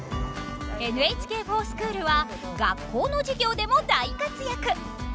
ＮＨＫｆｏｒＳｃｈｏｏｌは学校の授業でも大活躍！